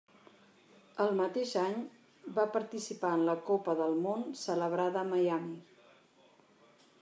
El mateix any va participar en la Copa del Món celebrada a Miami.